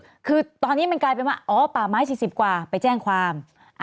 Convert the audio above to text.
คือตอนนี้มันกลายเป็นว่าอ๋อป่าไม้๔๐กว่าไปแจ้งความ